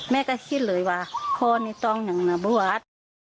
แม่ก็คิดเลยว่าพ่อนี่ต้องอย่างนะบวช